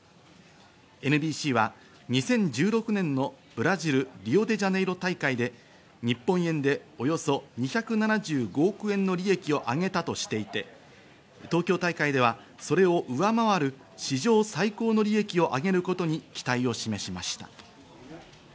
ＮＢＣは２０１６年のブラジル、リオデジャネイロ大会で日本円でおよそ２７５億円の利益をあげたとしていて、東京大会ではそれを上回る史上最高の利益をあげることに期待を示しました。